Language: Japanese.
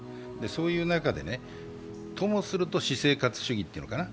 そういう中で、ともすると私生活主義というのかな、